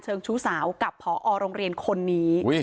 ชู้สาวกับพอโรงเรียนคนนี้